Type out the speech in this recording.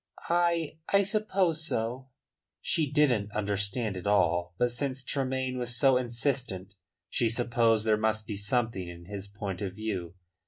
"I I suppose so." She didn't understand it all. But since Tremayne was so insistent she supposed there must be something in his point of view.